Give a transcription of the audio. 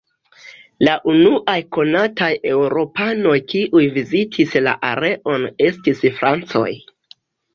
La unuaj konataj eŭropanoj kiuj vizitis la areon estis francoj.